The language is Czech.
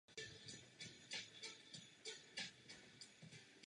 Záměrem setkání je zbavit mladé lidi strachu z podnikání.